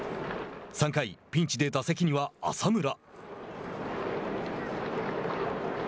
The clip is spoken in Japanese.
３回、ピンチで打席には浅村。